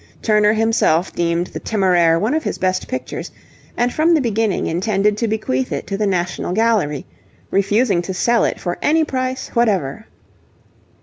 Turner himself deemed the 'Temeraire' one of his best pictures, and from the beginning intended to bequeath it to the National Gallery, refusing to sell it for any price whatever.